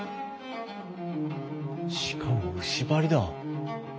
しかも牛梁だ。